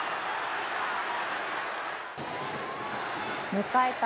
迎えた